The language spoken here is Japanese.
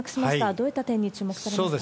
どういった点に注目されますか？